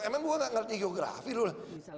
emang gua nggak ngerti geografi dulu